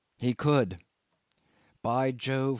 He could! By Jove!